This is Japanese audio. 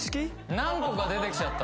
何個か出てきちゃった